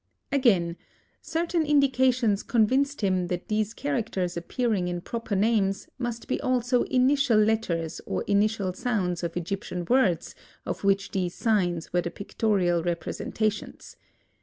Again; certain indications convinced him that these characters appearing in proper names must be also initial letters or initial sounds of Egyptian words of which these signs were the pictorial representations.